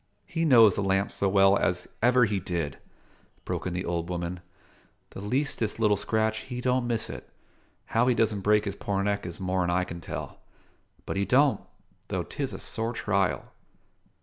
"He knows the lamp so well as ever he did," broke in the old woman; "the leastest little scratch, he don't miss it. How he doesn' break his poor neck is more'n I can tell; but he don't though 'tis a sore trial."